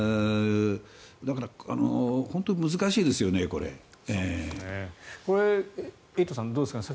だから、本当に難しいですよねこれ。これ、エイトさんどうですかね？